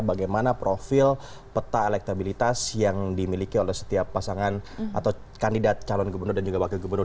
bagaimana profil peta elektabilitas yang dimiliki oleh setiap pasangan atau kandidat calon gubernur dan juga wakil gubernur